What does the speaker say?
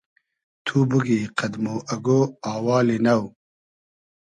تو بوگی قئد مۉ اگۉ آوالی نۆ